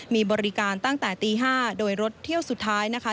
มีบริการตั้งแต่ตี๕โดยรถเที่ยวสุดท้ายนะคะ